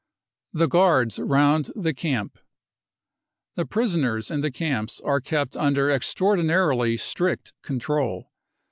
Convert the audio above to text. The Guards round the Camp. The prisoners in the camps are kept under extraordinarily strict control.